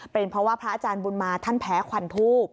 เป็นเพราะว่าพระอาจารย์บุญมาท่านแพ้ควันทูบ